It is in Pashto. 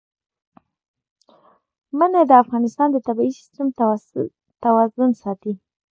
منی د افغانستان د طبعي سیسټم توازن ساتي.